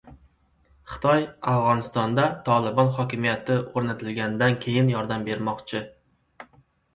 Xitoy Afg‘onistonda Tolibon hokimiyati o‘rnatilgandan keyin yordam bermoqchi